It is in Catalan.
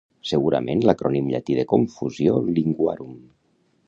Segurament l'acrònim llatí de «Confusio linguarum».